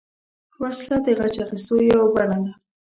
وسله د غچ اخیستو یوه بڼه ده